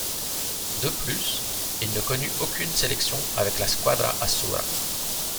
De plus, il ne connut aucune sélection avec la Squadra Azzurra.